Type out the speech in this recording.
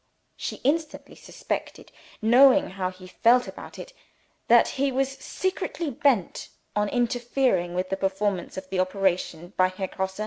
She instantly suspected (knowing how he felt about it) that he was secretly bent on interfering with the performance of the operation by Herr Grosse.